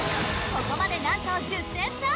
ここまで何と１０点差！